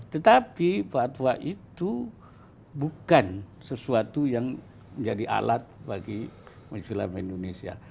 tetapi fatwa itu bukan sesuatu yang menjadi alat bagi masyarakat indonesia